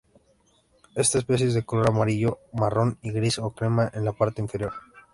Esta especie es de color amarillo-marrón y gris o crema en la parte inferior.